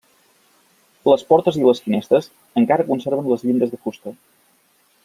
Les portes i les finestres encara conserven les llindes de fusta.